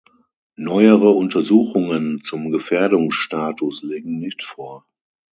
Neuere Untersuchungen zum Gefährdungsstatus liegen nicht vor.